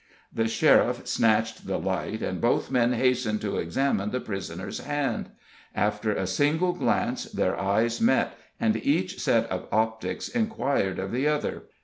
'" The sheriff snatched the light, and both men hastened to examine the prisoner's hand. After a single glance their eyes met and each set of optics inquired of the other.